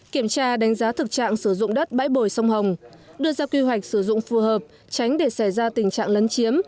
kiểm tra đánh giá thực trạng sử dụng đất bãi bồi sông hồng đưa ra quy hoạch sử dụng phù hợp tránh để xảy ra tình trạng lấn chiếm